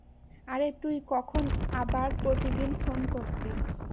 আরে, তুই কখন আবার প্রতিদিন ফোন করতি?